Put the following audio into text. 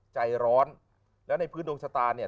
ใจร้อนแล้วในพื้นดวงชะตาเนี่ย